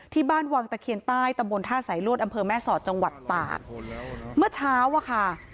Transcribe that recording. ที่บ้านวังตะเคียนใต้ตำบลท่าสายลวดอำเภอแม่สอดจังหวัดตากเมื่อเช้าอะค่ะ